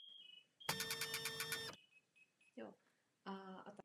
V neposlední řadě se zabývá i analýzou charakteru Sovětského svazu.